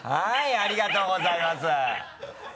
ありがとうございます。